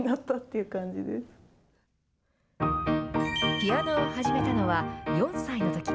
ピアノを始めたのは４歳のとき。